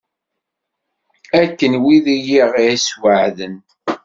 Akken wid i ɣ-yessweεden.